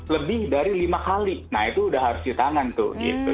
lebih dari lima kali nah itu udah harus cuci tangan tuh gitu